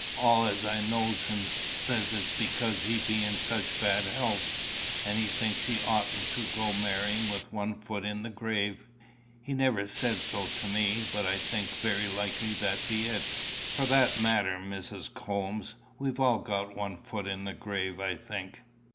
All as knows him says it's because he be in such bad health, and he thinks he oughtn't to go marrying with one foot in the grave. He never said so to me; but I think very likely that be it." "For that matter, Mrs. Coombes, we've all got one foot in the grave, I think."